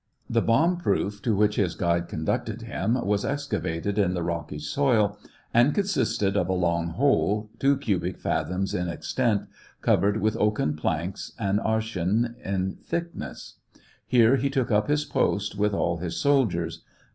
The bomb proof to which his guide conducted him was excavated in the rocky soil, and consisted of a long hole, two cubic fathoms in extent, cov ered with oaken planks an arshin in thickness. Here he took up his post, with all his soldiers.